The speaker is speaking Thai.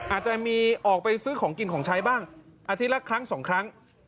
อาจจะมีออกไปซื้อของกินของใช้บ้างอาทิตย์ละครั้งสองครั้ง